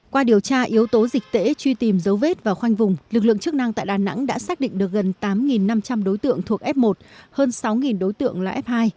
qua điều tra yếu tố dịch tễ truy tìm dấu vết và khoanh vùng lực lượng chức năng tại đà nẵng đã xác định được gần tám năm trăm linh đối tượng thuộc f một hơn sáu đối tượng là f hai